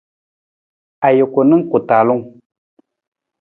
Ajuku na ku talung.